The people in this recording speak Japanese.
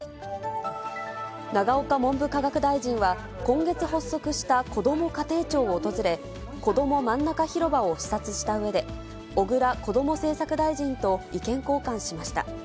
永岡文部科学大臣は、今月発足したこども家庭庁を訪れ、こどもまんなか広場を視察したうえで、小倉こども政策大臣と意見交換しました。